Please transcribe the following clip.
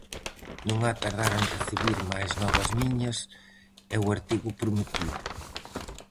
Non ha tardar en recibir mais novas miñas e o artigo prometido.